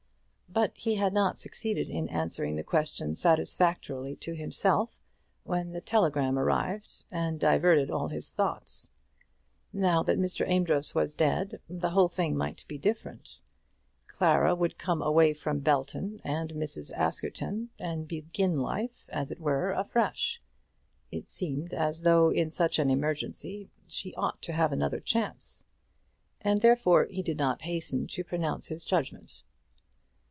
But he had not succeeded in answering the question satisfactorily to himself when the telegram arrived and diverted all his thoughts. Now that Mr. Amedroz was dead, the whole thing might be different. Clara would come away from Belton and Mrs. Askerton, and begin life, as it were, afresh. It seemed as though in such an emergency she ought to have another chance; and therefore he did not hasten to pronounce his judgment.